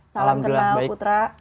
salam kenal putra